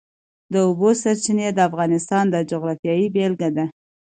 د اوبو سرچینې د افغانستان د جغرافیې بېلګه ده.